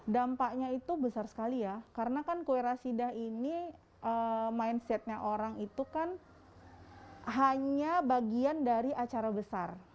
dampaknya itu besar sekali ya karena kan kue rasidah ini mindsetnya orang itu kan hanya bagian dari acara besar